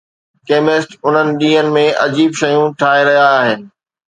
chemist انهن ڏينهن ۾ عجيب شيون ٺاهي رهيا آهن